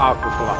jika aku telah men